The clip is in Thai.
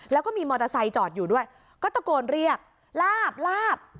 แล้วก็มีมอเตอร์ไซค์จอดอยู่ด้วยก็ตะโกนเรียกลาบลาบ